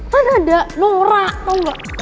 kan ada lora tau gak